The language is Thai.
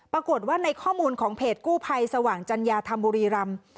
ปรากฏว่าในข้อมูลของเพจกู้ภัยสว่างจัญญาธรรมบุรีรำ